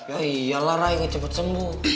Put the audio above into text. yaiyalah ray ngecepet sembuh